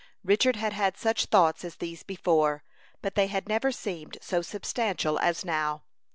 Richard had had such thoughts as these before, but they had never seemed so substantial as now.